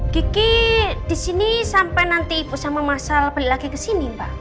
gigi di sini sampai nanti ibu sama masal pergi lagi ke sini mbak